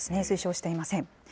推奨していません。